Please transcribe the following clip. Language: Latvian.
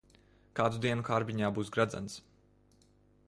Kādu dienu kārbiņā būs gredzens.